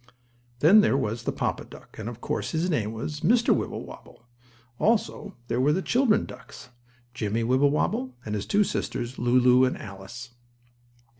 Then there was the papa duck, and, of course, his name was Mr. Wibblewobble. Also there were the children ducks; Jimmie Wibblewobble and his two sisters, Lulu and Alice.